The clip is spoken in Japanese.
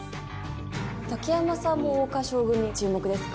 竹山さんも桜花賞組注目ですか？